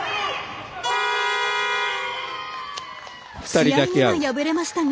試合には敗れましたが